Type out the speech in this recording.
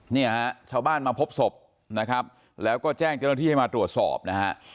เนี่ยฮะชาวบ้านมาพบศพนะครับแล้วก็แจ้งเจ้าหน้าที่ให้มาตรวจสอบนะฮะ